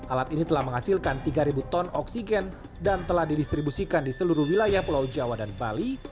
alat ini telah menghasilkan tiga ton oksigen dan telah didistribusikan di seluruh wilayah pulau jawa dan bali